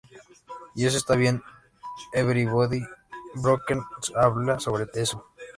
Y eso está bien, "Everybody's Broken" habla sobre eso.